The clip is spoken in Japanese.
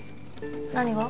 何が？